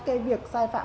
cái việc sai phạm